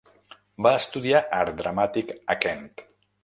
Va estudiar Art Dramàtic a Kent.